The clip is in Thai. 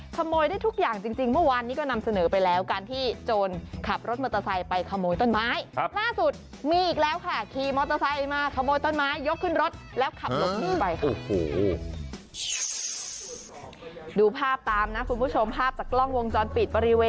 ขโมยได้ทุกอย่างจริงเมื่อวานนี้ก็นำเสนอไปแล้วการที่จนขับรถมอเตอร์ไซค์ไปขโมยต้นไม้